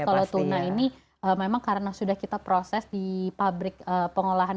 jadi kalau tuna ini memang karena sudah kita proses di pabrik pengolahan ikan